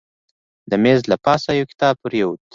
د میز له پاسه یو کتاب پرېوت.